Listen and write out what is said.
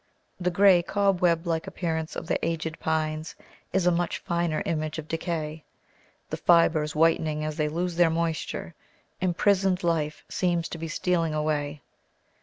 The grey cobweb like appearance of the aged pines is a much finer image of decay; the fibres whitening as they lose their moisture, imprisoned life seems to be stealing away.